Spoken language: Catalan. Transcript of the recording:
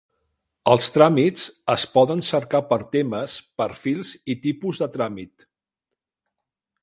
Els tràmits es poden cercar per temes, perfils i tipus de tràmit.